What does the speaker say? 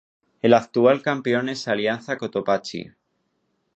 El actual campeón es Alianza Cotopaxi.